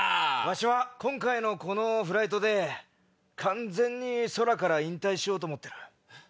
わしは今回のこのフライトで完全に空から引退しようと思ってる。